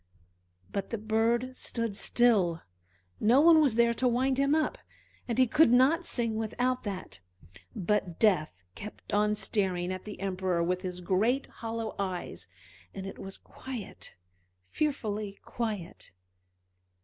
But the bird stood still, no one was there to wind him up, and he could not sing without that; but Death kept on staring at the Emperor with his great hollow eyes, and it was quiet, fearfully quiet.